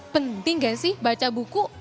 penting gak sih baca buku